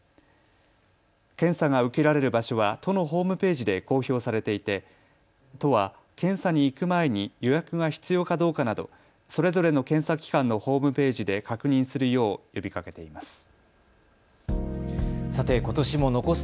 検査が受けられる場所は都のホームページで公表されていて都は検査に行く前に予約が必要かどうかなどそれぞれの検査機関のホームページで確認するよう呼びかけています。